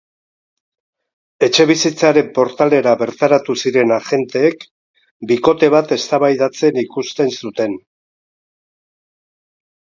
Etxebizitzaren portalera bertaratu ziren agenteek bikote bat eztabaidatzen ikusten zuten.